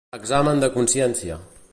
Examen de consciència.